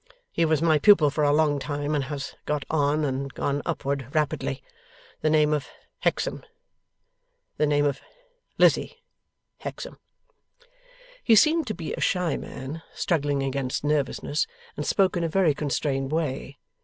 He was my pupil for a long time, and has got on and gone upward rapidly. The name of Hexam. The name of Lizzie Hexam.' He seemed to be a shy man, struggling against nervousness, and spoke in a very constrained way.